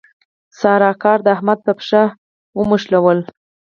سارا کار د احمد په پښه ونښلاوو.